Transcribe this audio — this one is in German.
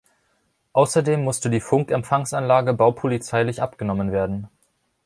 Außerdem musste die Funk-Empfangsanlage baupolizeilich abgenommen werden.